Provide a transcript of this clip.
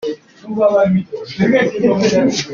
Bimaze akanya, ati “Reka nkwicare ku bibero maze nkubwire”.